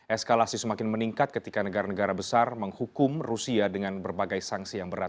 eskalasi semakin meningkat ketika negara negara besar menghukum rusia dengan berbagai sanksi yang berat